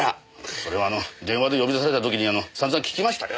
それは電話で呼び出された時に散々聞きましたよ。